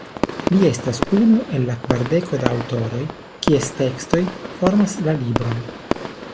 Li estas unu el la kvardeko da aŭtoroj, kies tekstoj formas la libron.